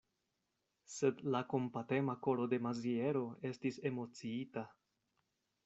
Sed la kompatema koro de Maziero estis emociita.